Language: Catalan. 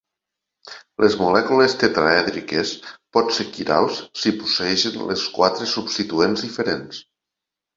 Les molècules tetraèdriques pot ser quirals si posseeixen els quatre substituents diferents.